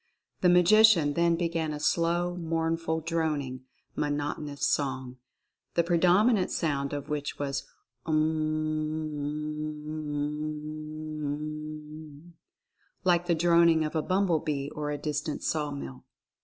The Magician then be gan a slow, mournful, droning, monotonous song, the predominant sound of which was "um ni ni m m m m m," like the droning of a bumble bee or a distant saw mill.